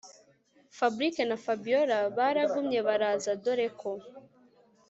Fabric na Fabiora baragumye baraza dore ko